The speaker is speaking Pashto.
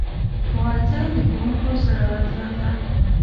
ښوونځی د ښوونکو زړورتیا ده